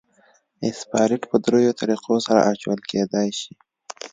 اسفالټ په دریو طریقو سره اچول کېدای شي